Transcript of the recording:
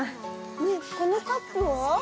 ねえこのカップは？